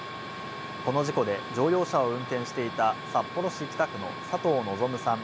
この事故で乗用車を運転していた札幌市北区の佐藤望さん